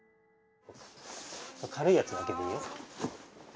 軽いやつだけでいいよ。